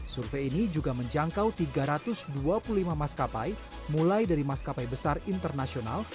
survei ini juga menjangkau tiga ratus dua puluh lima maskapai mulai dari maskapai besar internasional